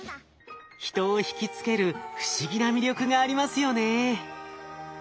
人を引き付ける不思議な魅力がありますよね。